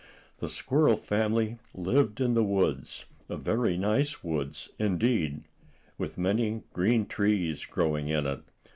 The Squirrel family lived in the woods, a very nice woods indeed; with many green trees growing in it.